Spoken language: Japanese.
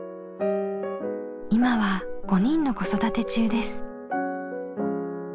今は５人の子育て中です。